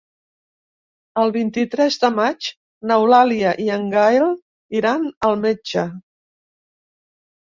El vint-i-tres de maig n'Eulàlia i en Gaël iran al metge.